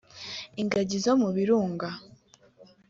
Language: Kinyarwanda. ingagi zo mu birunga